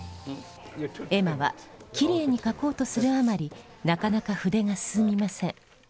エマはきれいに描こうとするあまりなかなか筆が進みません。